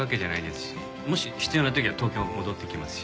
もし必要な時は東京戻ってきますし。